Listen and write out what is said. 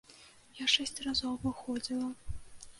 Я шэсць разоў выходзіла.